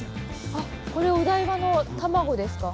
あっこれお台場の卵ですか。